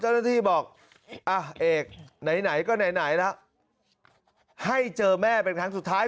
เจ้าหน้าที่บอกอ่ะเอกไหนไหนก็ไหนแล้วให้เจอแม่เป็นครั้งสุดท้าย